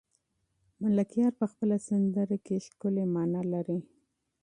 ملکیار په خپله سندره کې ښکلي مفاهیم لري.